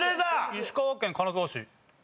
石川県金沢市。